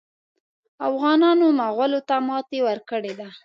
افغانانو مغولو ته ماته ورکړې ده.